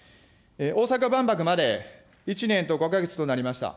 大阪万博まで１年と５か月となりました。